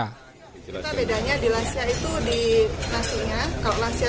kita bedanya di lansia itu di nasinya